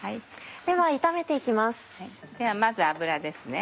では炒めて行きます。